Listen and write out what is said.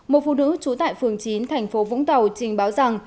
một phụ nữ trú tại phường chín tp vũng tàu trình báo rằng